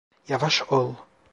Yavaş ol!